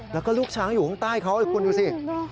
แล้วก็ลูกช้างอยู่ข้างใต้เขาคุณดูสิ